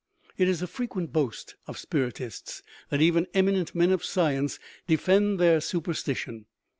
It is a frequent boast of spiritists that even eminent men of science defend their super stition.